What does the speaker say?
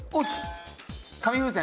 紙風船？